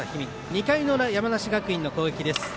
２回の裏、山梨学院の攻撃です。